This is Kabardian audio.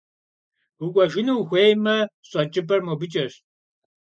Укӏуэжыну ухуеймэ, щӏэкӏыпӏэр мобыкӏэщ.